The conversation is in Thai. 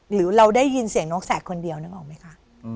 หรือเราได้ยินเสียงนกแสกคนเดียวนึกออกไหมคะ